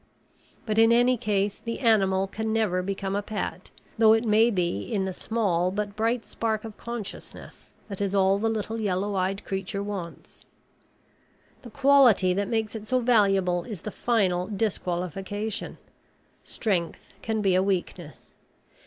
But in any case the animal can never become a pet, though it may be in the small but bright spark of consciousness that is all the little yellow eyed creature wants. The quality that makes it so valuable is the final disqualification. Strength can be a weakness.